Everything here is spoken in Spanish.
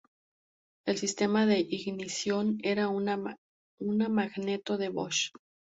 El sistema de ignición era una magneto de Bosch.